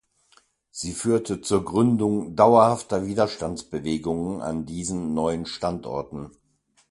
Sie führte zur Gründung dauerhafter Widerstandsbewegungen an diesen neuen Standorten.